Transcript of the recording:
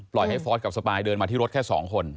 ให้ฟอร์สกับสปายเดินมาที่รถแค่๒คน